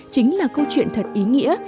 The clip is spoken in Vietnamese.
chính là câu chuyện thật ý nghĩa